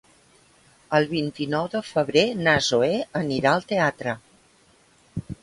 El vint-i-nou de febrer na Zoè anirà al teatre.